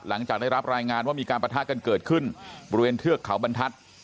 หลังจากได้รับรายงานว่ามีการประทะกันเกิดขึ้นบริเวณเทือกเขาบรรทัศน์